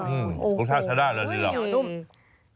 อืมปรึกษาชะด้านแล้วดีหรอก